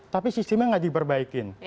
tapi sistemnya tidak diperbaikin